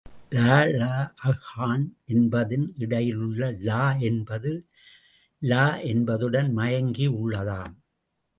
லளஃகான் என்பதின் இடையிலுள்ள ள என்பது ல என்பதுடன் மயங்கி உள்ளதாம்.